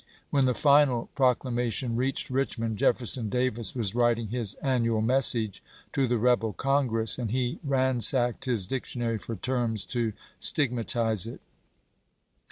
When the final proc lamation reached Richmond Jefferson Da^^.s was ■writing his annual message to the rebel Congress, and he ransacked his dictionary for terms to stig matize it.